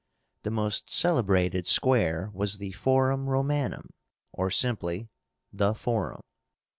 The most celebrated square was the Forum Románum, or simply The Forum.